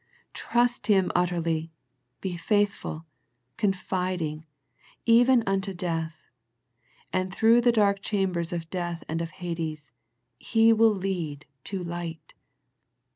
Trust Him utterly, be faithful, confiding, even unto death, and through the dark chambers of death and of Hades, He will lead to light.